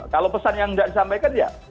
kalau pesan yang tidak disampaikan ya